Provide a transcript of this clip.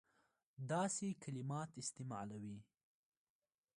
داسي کلمات استعمالوي.